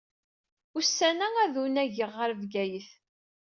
Ussan-a ad unageɣ ɣer Bgayet.